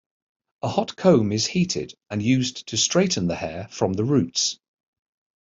A hot comb is heated and used to straighten the hair from the roots.